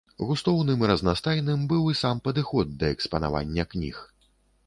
Густоўным і разнастайным быў і сам падыход да экспанавання кніг.